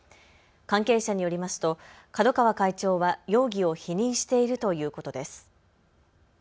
関係者によりますと角川会長は容疑を否認しているということです。